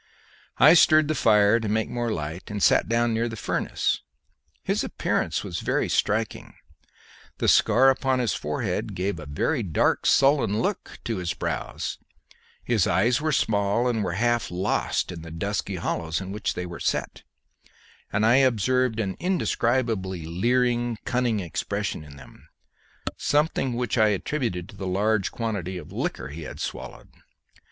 I stirred the fire to make more light and sat down near the furnace. His appearance was very striking. The scar upon his forehead gave a very dark sullen look to his brows; his eyes were small and were half lost in the dusky hollows in which they were set, and I observed an indescribably leering, cunning expression in them, something of which I attributed to the large quantity of liquor he had swallowed.